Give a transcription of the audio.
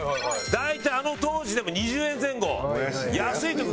大体あの当時でも２０円前後。